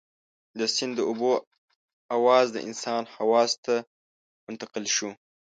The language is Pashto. د سيند د اوبو اواز د انسان حواسو ته منتقل شو.